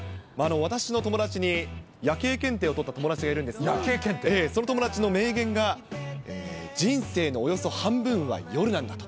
私の友達に、夜景検定を取った友達がいるんですが、その友達の名言が、人生のおよそ半分は夜なんだと。